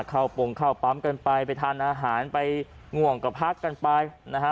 ปงเข้าปั๊มกันไปไปทานอาหารไปง่วงก็พักกันไปนะฮะ